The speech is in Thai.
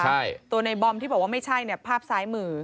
ใช่ตัวในบอมที่บอกว่าไม่ใช่เนี่ยภาพซ้ายมือ